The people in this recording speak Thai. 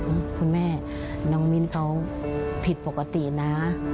คุณแม่น้องมิ้นเขาผิดปกตินะ